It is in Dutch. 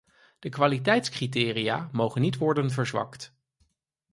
De kwaliteitscriteria mogen niet worden verzwakt.